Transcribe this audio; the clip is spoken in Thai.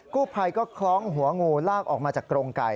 กู้ภัยก็คล้องหัวงูลากออกมาจากกรงไก่